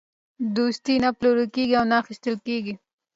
دوستي نه پلورل کېږي او نه اخیستل کېږي.